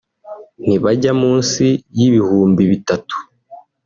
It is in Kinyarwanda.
ntibajya munsi y’ibihumbi bitatu